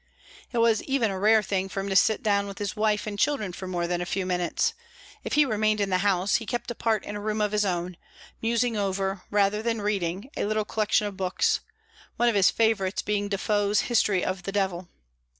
It was even a rare thing for him to sit down with his wife and children for more than a few minutes; if he remained in the house, he kept apart in a room of his own, musing over, rather than reading, a little collection of books one of his favourites being Defoe's "History of the Devil."